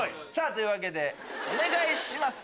というわけでお願いします。